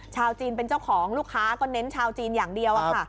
ชาวจีนเป็นเจ้าของลูกค้าก็เน้นชาวจีนอย่างเดียวค่ะ